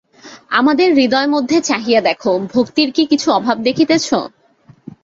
আমাদের হৃদয়মধ্যে চাহিয়া দেখো, ভক্তির কি কিছু অভাব দেখিতেছ?